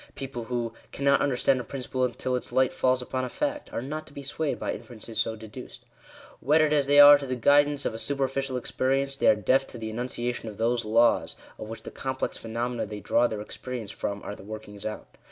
People who " cannot understand a principle until its light falls upon a fact," are not to be swayed by inferences so deduced. Wedded as they are to the guidance of a superficial experience, they are deaf to the enunciation of those laws, of which the complex phenomena they draw their experience from are the workings out.